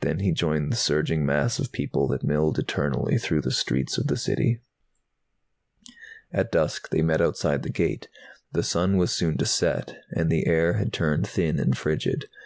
Then he joined the surging mass of people that milled eternally through the streets of the City. At dusk they met outside the gate. The sun was soon to set, and the air had turned thin and frigid.